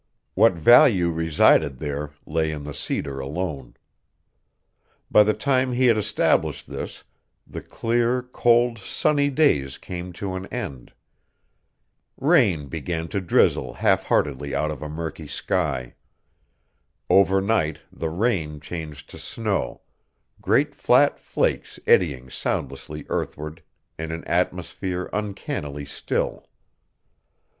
What value resided there lay in the cedar alone. By the time he had established this, the clear, cold, sunny days came to an end. Rain began to drizzle half heartedly out of a murky sky. Overnight the rain changed to snow, great flat flakes eddying soundlessly earthward in an atmosphere uncannily still.